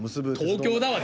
東京だわ！